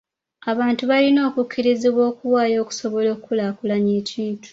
Abantu balina okukkirizibwa okuwaayo okusobola okukulaakulanya ekintu.